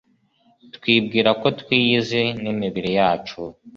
Twibwira ko twiyizi n'imibiri yacu,